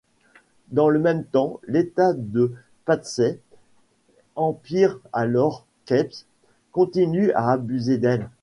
Dans le même temps, l'état de Patsey empire alors qu'Epps continue à abuser d'elle.